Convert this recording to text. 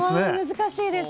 難しいです。